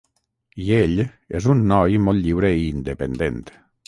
I ell és un noi molt lliure i independent.